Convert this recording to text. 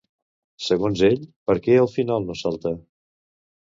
Segons ell, per què al final no salta?